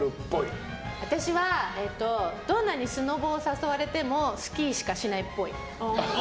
私は、どんなにスノボを誘われてもスキーしかしないっぽい。